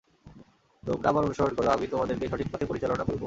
তোমরা আমার অনুসরণ কর, আমি তোমাদেরকে সঠিক পথে পরিচালনা করব।